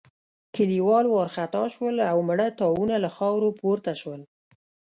کليوال وارخطا شول او مړه تاوونه له خاورو پورته شول.